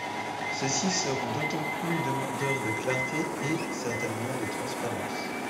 Ceux-ci seront d’autant plus demandeurs de clarté et, certainement, de transparence.